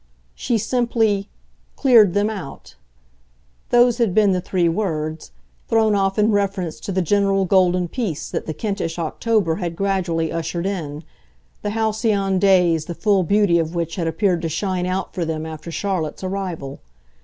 She simply "cleared them out" those had been the three words, thrown off in reference to the general golden peace that the Kentish October had gradually ushered in, the "halcyon" days the full beauty of which had appeared to shine out for them after Charlotte's arrival.